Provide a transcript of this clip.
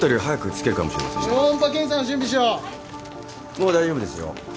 もう大丈夫ですよ。